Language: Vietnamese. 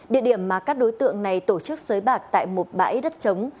địa điểm mà các đối tượng này tổ chức xới bạc tại một bãi đất chống